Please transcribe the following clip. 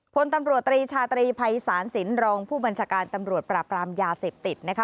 พลตำรวจตรีชาตรีภัยศาลสินรองผู้บัญชาการตำรวจปราบรามยาเสพติดนะคะ